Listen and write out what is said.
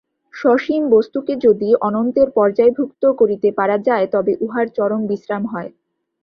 সসীম বস্তুকে যদি অনন্তের পর্যায়ভুক্ত করিতে পারা যায়, তবে উহার চরম বিশ্রাম হয়।